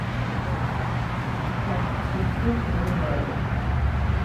Аҭак Сызҿыз саҿызаауеит.